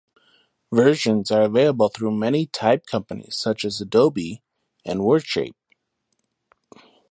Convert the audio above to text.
Versions are available through many type companies such as Adobe and Wordshape.